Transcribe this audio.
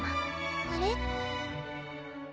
あれ？